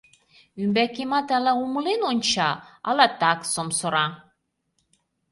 Ӱмбакемат ала умылен онча, ала так — сомсора...